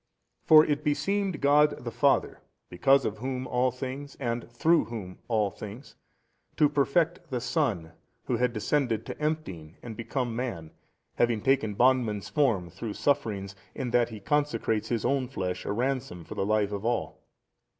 For it beseemed God the Father because of Whom all things and through Whom all things, to perfect the Son Who had descended to emptying and become man, having taken bondman's form, through sufferings 57 in that He consecrates His own flesh a Ransom for the life of all.